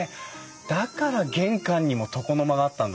だから玄関にも床の間があったんだ。